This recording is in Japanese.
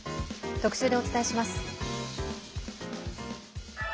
特集でお伝えします。